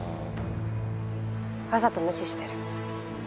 わざと無視してる。